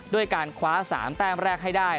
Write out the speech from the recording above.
ด้วยการคว้า๓แต้มแรกให้ได้